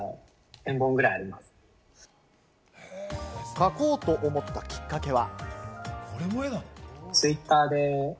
描こうと思ったきっかけは。